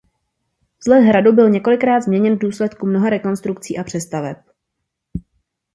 Vzhled hradu byl několikrát změněn v důsledku mnoha rekonstrukcí a přestaveb.